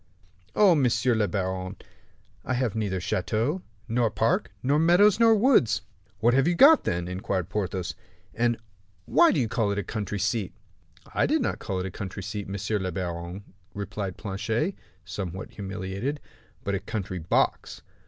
"Oh, monsieur le baron, I have neither chateau, nor park, nor meadows, nor woods." "What have you got, then?" inquired Porthos, "and why do you call it a country seat?" "I did not call it a country seat, monsieur le baron," replied Planchet, somewhat humiliated, "but a country box."